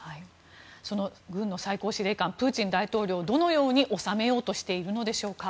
その軍の最高司令官プーチン大統領をどのように収めようとしているのでしょうか。